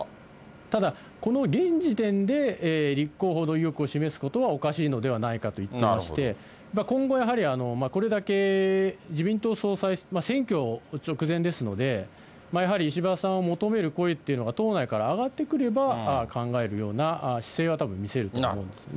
ただ、この現時点で、立候補の意欲を示すことはおかしいのではないかと言ってまして、今後やはり、これだけ自民党総裁、選挙直前ですので、やはり石破さんを求める声っていうのが党内から上がってくれば考えるような姿勢はたぶん、見せると思うんですね。